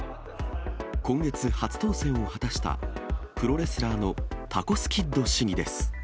今月、初当選を果たしたプロレスラーのタコスキッド市議です。